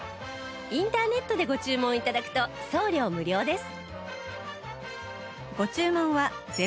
インターネットでご注文頂くと送料無料です